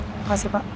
terima kasih pak